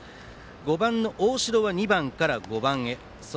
５番の大城は２番から５番へ。